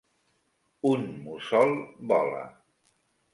Un mussol vola.